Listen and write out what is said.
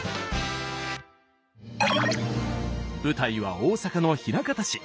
舞台は大阪の枚方市。